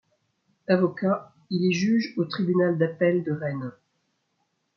Avocat, il est juge au tribunal d'appel de Rennes.